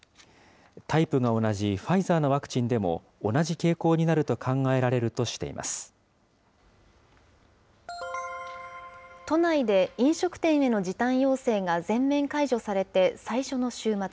タイプが同じファイザーのワクチンでも同じ傾向になると考えられ都内で飲食店への時短要請が全面解除されて最初の週末。